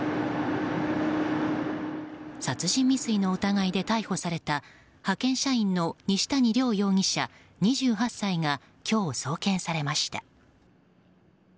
殺人未遂の疑いで逮捕された派遣社員の西谷亮容疑者、２８歳が今日、送検されました。